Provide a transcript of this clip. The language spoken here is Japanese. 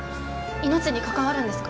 命にかかわるんですか？